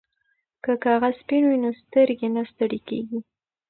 که کاغذ سپین وي نو سترګې نه ستړې کیږي.